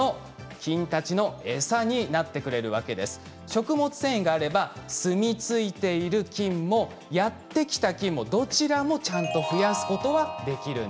食物繊維があれば住み着いている菌もやって来た菌もどちらもちゃんと増やすことはできるんです。